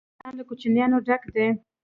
افغانستان له کوچیان ډک دی.